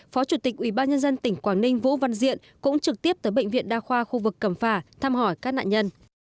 phó chủ tịch ubnd tỉnh quảng ninh vũ văn diện cũng trực tiếp tới bệnh viện đa khoa khu vực cẩm phả thăm hỏi các nạn nhân